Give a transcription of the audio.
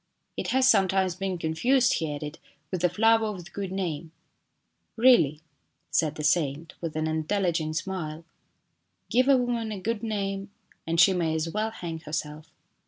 " It has sometimes been confused," he added, " with the flower of the good name." " Really ?" said the saint, with an intelligent smile, " give a woman a good name and she may as well hang herself."